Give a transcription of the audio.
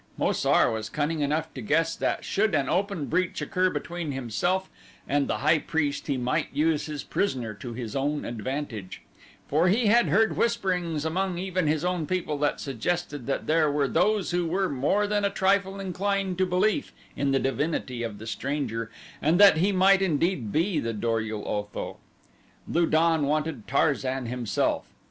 Mo sar was cunning enough to guess that should an open breach occur between himself and the high priest he might use his prisoner to his own advantage, for he had heard whisperings among even his own people that suggested that there were those who were more than a trifle inclined to belief in the divinity of the stranger and that he might indeed be the Dor ul Otho. Lu don wanted Tarzan himself.